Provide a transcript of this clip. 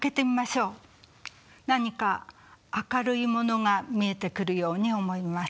何か明るいものが見えてくるように思います。